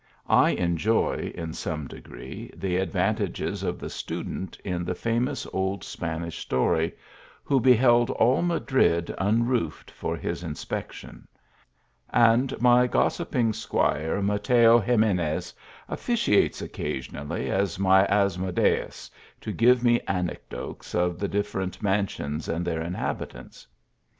I enjoy, in some degree, the advantages of the student in the famous old Spanish story, who beheld nil Madrid unroofed for his inspection ; and my gos sipping squire Mateo Ximenes, officiates occasionally as my Asmodeus, to give me anecdotes of the differ < v mansions and their inhabitants.